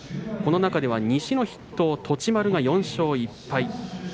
この中では、西の筆頭栃丸が４勝１敗。